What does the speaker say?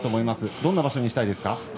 どんな場所にしたいですか。